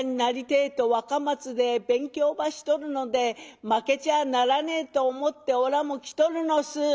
てえと若松で勉強ばしとるので負けちゃあならねえと思っておらも来とるのす」。